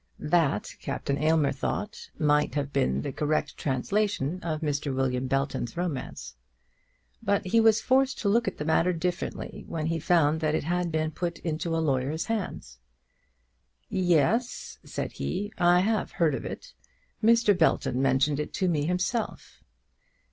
That Captain Aylmer thought might have been the correct translation of Mr. William Belton's romance. But he was forced to look at the matter differently when he found that it had been put into a lawyer's hands. "Yes," said he, "I have heard of it. Mr. Belton mentioned it to me himself."